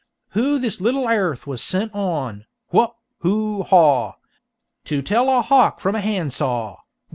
Who this little airth was sent on Whup! Whoo, haw! To tell a 'hawk from a handsaw!'